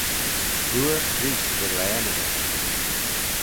Pooar Chreest dy laanaghey.